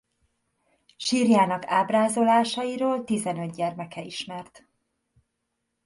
Sírjának ábrázolásairól tizenöt gyermeke ismert.